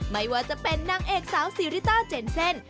ไม่ว่าจะเป็นนางเอกสาวซีริต้าเจนเซ่น